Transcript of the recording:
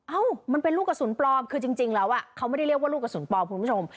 เอ้ามันเป็นลูกกระสุนปลอมคือจริงแล้วเขาไม่ได้เรียกว่าลูกกระสุนปลอมคุณผู้ชม